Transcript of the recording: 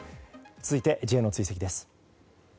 続いてＪの追跡です。